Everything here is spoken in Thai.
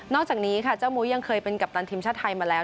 อกจากนี้ค่ะเจ้ามุ้ยยังเคยเป็นกัปตันทีมชาติไทยมาแล้ว